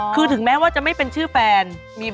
คือถึงแม้ว่าจะไม่เป็นชื่อแฟน